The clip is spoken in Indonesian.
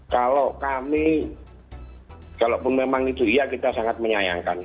kalau kami kalaupun memang itu iya kita sangat menyayangkan